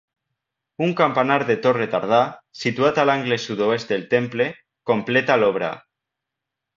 Un campanar de torre tardà, situat a l'angle sud-oest del temple, completa l'obra.